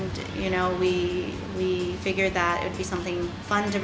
dan kita pikir bahwa itu akan menjadi sesuatu yang menyenangkan untuk